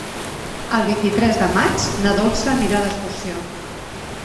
El vint-i-tres de maig na Dolça anirà d'excursió.